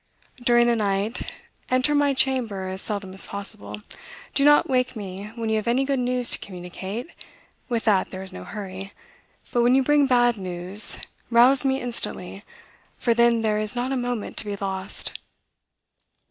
"During the night, enter my chamber as seldom as possible. Do not wake me when you have any good news to communicate; with that there is no hurry. But when you bring bad news, rouse me instantly, for then there is not a moment to be lost."